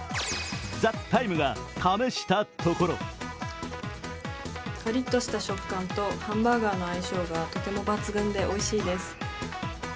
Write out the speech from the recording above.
「ＴＨＥＴＩＭＥ，」が試したところカリッとした食感とハンバーガーとの相性がとても抜群でおいしいです。